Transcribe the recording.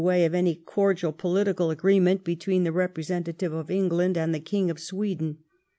way of any cordial political agreement between the representative of England and the King of Sweden.